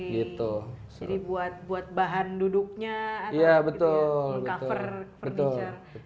jadi buat bahan duduknya atau cover furniture